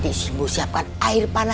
ini bayimu perempuan